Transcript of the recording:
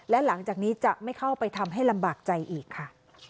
และหลังจากนี้จะไม่เข้าไปทำให้ลำบากใจอีกค่ะ